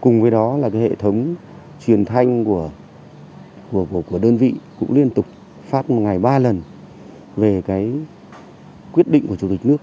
cùng với đó là hệ thống truyền thanh của đơn vị cũng liên tục phát ngày ba lần về quyết định của chủ tịch nước